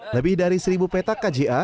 lebih dari seribu petak kja